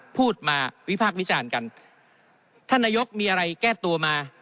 พูดมาวิพากษ์วิจารณ์กันท่านนายกมีอะไรแก้ตัวมา